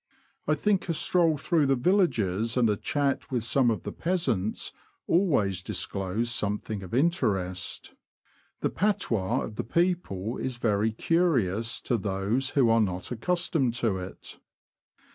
I think a stroll through the villages and a chat with some of the peasants always disclose some thing of interest. The patois of the people is very curious to those who are not accustomed to it.